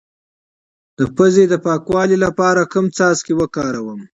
د پوزې د پاکوالي لپاره کوم څاڅکي وکاروم؟